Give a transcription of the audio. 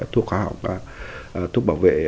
thuốc bảo vệ